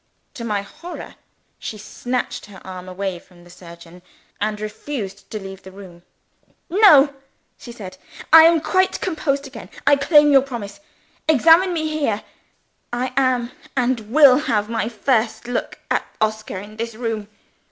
To my horror, she snatched her arm away from the surgeon, and refused to leave the room. "No!" she said. "I am quite composed again; I claim your promise. Examine me here. I must and will have my first look at Oscar in this room."